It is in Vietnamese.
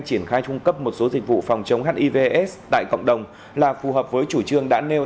triển khai trung cấp một số dịch vụ phòng chống hiv aids tại cộng đồng là phù hợp với chủ trương đã nêu